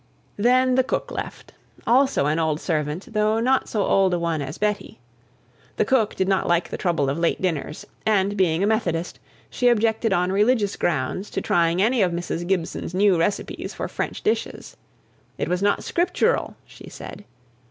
Then the cook left; also an old servant, though not so old a one as Betty. The cook did not like the trouble of late dinners; and, being a Methodist, she objected on religious grounds to trying any of Mrs. Gibson's new receipts for French dishes. It was not scriptural, she said.